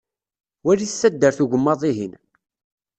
Walit taddart ugemmaḍ-ihin.